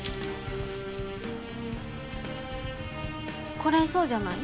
これそうじゃない？